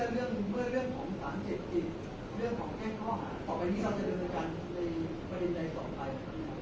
ต่อไปนี้เราจะกำเนินการในบริเวณใดต่อไป